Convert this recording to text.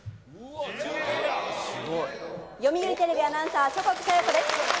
読売テレビアナウンサー、諸國沙代子です。